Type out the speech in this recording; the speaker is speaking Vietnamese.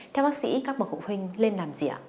theo bác sĩ các bậc phụ huynh lên làm gì ạ